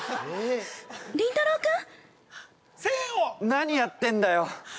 ◆何やってんだよ！